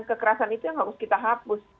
kekerasan itu yang harus kita hapus